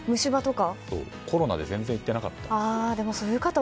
コロナで全然行ってなかったんですよ。